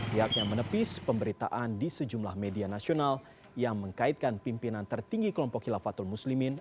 pihaknya menepis pemberitaan di sejumlah media nasional yang mengkaitkan pimpinan tertinggi kelompok khilafatul muslimin